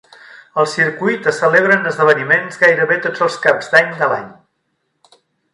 Al circuit es celebren esdeveniments gairebé tots els caps d"any de l"any.